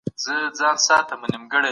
اسلام د پوهې او رڼا دین دی.